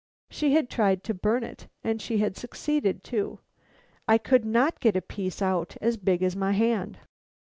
She had tried to burn it, and she had succeeded too. I could not get a piece out as big as my hand."